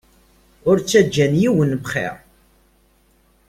Ur ttaǧǧan yiwen bxir.